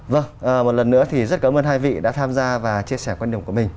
vâng một lần nữa thì rất cảm ơn hai vị đã tham gia và chia sẻ quan điểm của mình